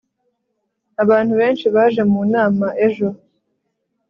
abantu benshi baje mu nama ejo